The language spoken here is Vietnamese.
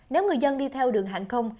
nếu người dân đi theo đường hạng không